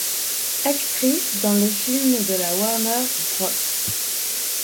Actrice dans le film de la Warner Bros.